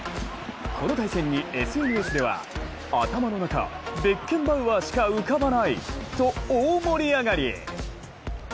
この対戦にＳＮＳでは頭の中、ベッケンバウアーしか浮かばないと大盛り上がり。